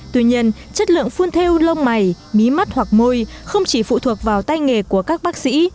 tuy nhiên chất lượng phun theo lông mày mí mắt hoặc môi không chỉ phụ thuộc vào tay nghề của các bác sĩ